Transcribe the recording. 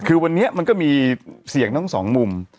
คือวันนี้มันก็มีเสียงทั้งสองมุม